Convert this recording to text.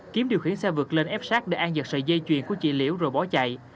kiếm điều khiển xe vượt lên ép sát để ăn giật sợi dây chuyền của chị liễu rồi bỏ chạy